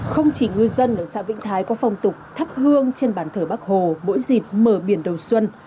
không chỉ ngư dân ở xã vĩnh thái có phòng tục thắp hương trên ban thờ bác hồ mỗi dịp mở biển đầu xuân